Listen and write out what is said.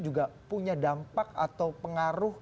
juga punya dampak atau pengaruh